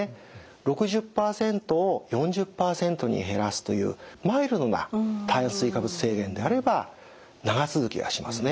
６０％を４０％に減らすというマイルドな炭水化物制限であれば長続きはしますね。